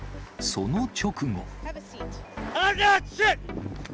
その直後。